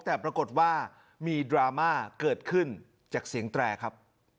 แต่ปรากฏว่ามีดราม่าเกิดขึ้นจากเสียงแตรครับ